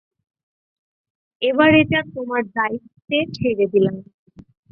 এবার এটা তোমার দায়িত্বে ছেড়ে দিলাম।